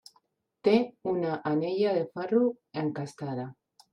Té una anella de ferro encastada.